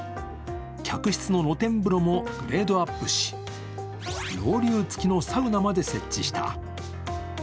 客室の露天風呂もグレードアップし、ロウリュウ付きのサウナまで設置した。